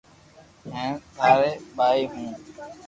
ھين ٽاري بائي ھون